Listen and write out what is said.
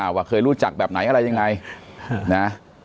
ว่าเคยรู้จักแบบไหนอะไรยังไงนะ